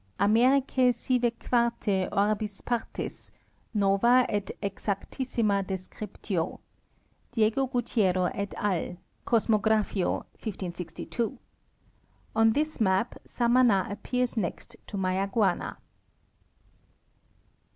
AMERICE SIVE QUARTE ORBIS PARTIS, NOVA ET EXACTISSIMA DESCRIPTIO, Diego Gutiero ef al., cosmographio, 1562: On this map Samana appears next to Mayaguana.